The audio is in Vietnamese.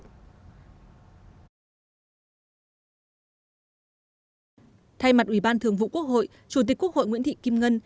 thay mặt ủy ban thường vụ quốc hội chủ tịch quốc hội nguyễn thị kim ngân